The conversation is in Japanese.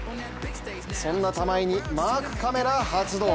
そんな玉井にマークカメラ発動。